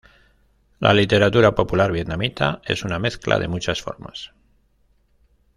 La literatura popular vietnamita es una mezcla de muchas formas.